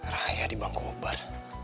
raya di bang kobar